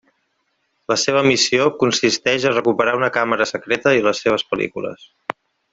La seva missió consisteix a recuperar una càmera secreta i les seves pel·lícules.